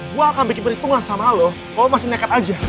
gue akan bikin perhitungan sama lo kok masih nekat aja